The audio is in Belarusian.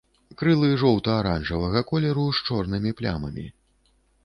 Крылы жоўта-аранжавага колеру з чорнымі плямамі.